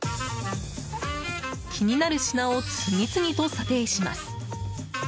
気になる品を次々と査定します。